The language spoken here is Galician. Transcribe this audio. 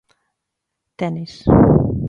Tenis.